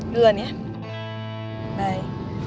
duluan ya bye